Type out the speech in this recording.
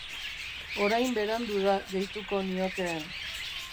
Orain berandu da, gehituko niokeen.